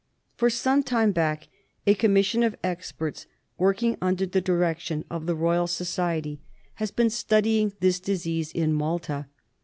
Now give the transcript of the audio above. For some time back a commission of experts, working under the direction of the Royal Society, has been study MEDITERRANEAN FEVER. IQS ing this disease in Malta.